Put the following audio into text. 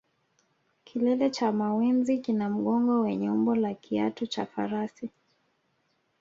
Kilele cha mawenzi kina mgongo wenye umbo la kiatu cha farasi